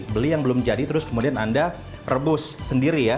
beli yang belum jadi terus kemudian anda rebus sendiri ya